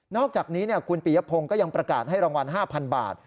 อกจากนี้คุณปียพงศ์ก็ยังประกาศให้รางวัล๕๐๐๐บาท